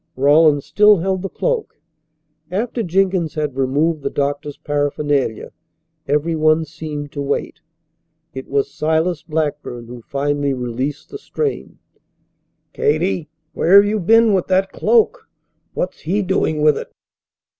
Rawlins still held the cloak. After Jenkins had removed the doctor's paraphernalia, everyone seemed to wait. It was Silas Blackburn who finally released the strain. "Katy, where you been with that cloak? What's he doing with it?"